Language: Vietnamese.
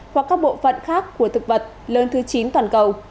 hoặc các bộ phận khác của thực vật lớn thứ chín toàn cầu